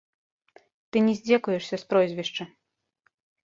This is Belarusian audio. Ты не здзекуешся з прозвішча.